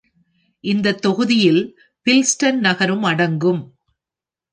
இந்தத் தொகுதியில் பில்ஸ்டன் நகரமும் அடங்கும்.